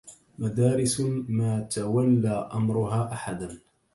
مدارس ما تولى أمرها أحد